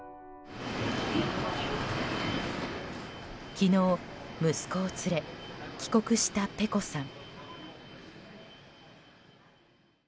昨日、息子を連れ帰国したｐｅｃｏさん。